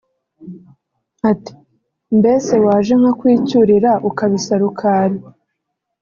ati “Mbese waje nkakwicyurira ukabisa Rukali